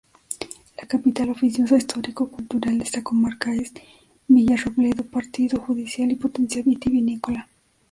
La capital oficiosa histórico-cultural de esta comarca es Villarrobledo; partido judicial y potencia viti-vinícola.